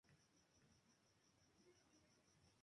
En este torneo jugó en dos ocasiones y marcó un gol.